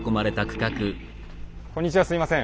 こんにちはすいません。